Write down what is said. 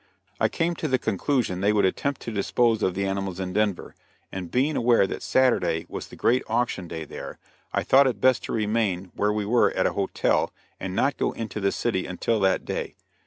I came to the conclusion they would attempt to dispose of the animals in Denver, and being aware that Saturday was the great auction day there, I thought it best to remain where we were at a hotel, and not go into the city until that day.